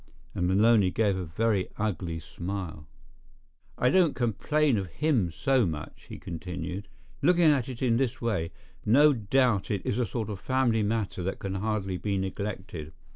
And Maloney gave a very ugly smile. "I don't complain of him so much," he continued. "Looking at it in his way, no doubt it is a sort of family matter that can hardly be neglected.